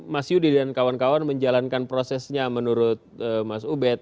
mas yudi dan kawan kawan menjalankan prosesnya menurut mas ubed